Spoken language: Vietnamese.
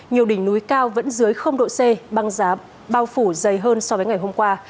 nhiều đỉnh núi cao vẫn dưới độ c băng giá bao phủ dày hơn so với ngày hôm qua